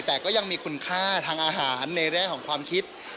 แต่ก็ยังมีคุณค่าทางอาหารในแร่ของความคิด